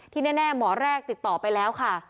แน่หมอแรกติดต่อไปแล้วค่ะ